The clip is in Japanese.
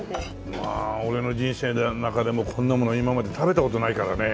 うわあ俺の人生の中でもこんなもの今まで食べた事ないからね。